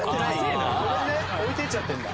ごめんね置いてっちゃってんだ